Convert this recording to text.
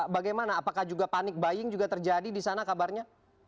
bagaimana apakah juga panik buying juga terjadi di sana kabarnya